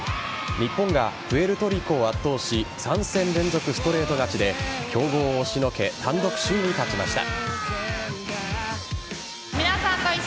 日本がプエルトリコを圧倒し３戦連続ストレート勝ちで強豪を押しのけ単独首位に立ちました。